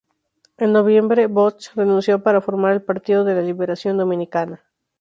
En noviembre, Bosch renunció para formar el Partido de la Liberación Dominicana.